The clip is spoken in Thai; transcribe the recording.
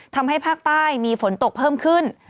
ทำให้ภาคใต้มีฝนตกเพิ่มขึ้น